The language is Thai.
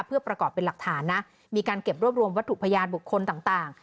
เพื่อประกอบเป็นหลักฐานนะมีการเก็บรวบรวมวัตถุพยานบุคคลต่าง